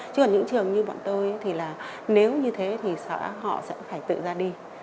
chứ còn những trường như bọn tôi thì là nếu như thế thì họ sẽ phải tự ra đi